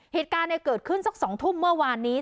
เหตุการณ์เกิดขึ้นสัก๒ทุ่มเมื่อวานนี้